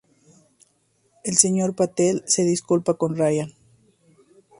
El Sr. Patel se disculpa con Ryan.